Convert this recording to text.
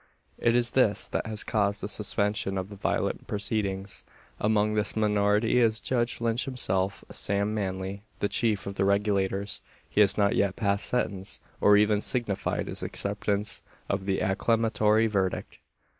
It is this that has caused a suspension of the violent proceedings. Among this minority is Judge Lynch himself Sam Manly, the Chief of the Regulators. He has not yet passed sentence; or even signified his acceptance of the acclamatory verdict.